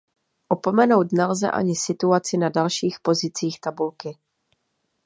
Opomenout nelze ani situaci na dalších pozicích tabulky.